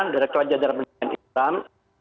dari kelajaran pertama ketam